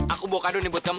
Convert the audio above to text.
aku bawa kado nih buat kamu